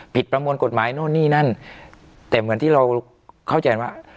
ประมวลกฎหมายโน่นนี่นั่นแต่เหมือนที่เราเข้าใจว่า